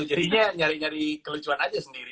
jadinya nyari nyari kelecuan aja sendiri